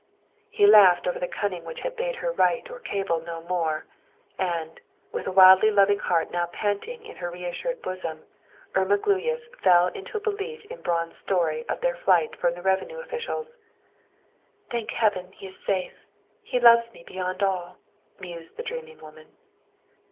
He laughed over the cunning which had bade her write or cable no more. And, with a wildly loving heart now panting in her reassured bosom, Irma Gluyas fell into a belief in Braun's story of their flight from the revenue officials. "Thank Heaven, he is safe! He loves me beyond all," mused the dreaming woman.